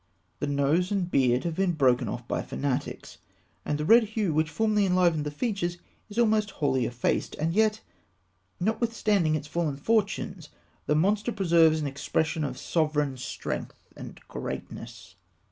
The nose and beard have been broken off by fanatics, and the red hue which formerly enlivened the features is almost wholly effaced. And yet, notwithstanding its fallen fortunes, the monster preserves an expression of sovereign strength and greatness.